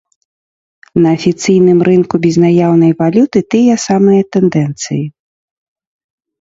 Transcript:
На афіцыйным рынку безнаяўнай валюты тыя самыя тэндэнцыі.